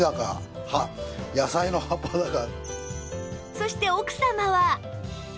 そして奥様は